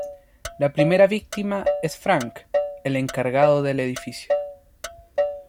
La primera víctima es Frank, el encargado del edificio.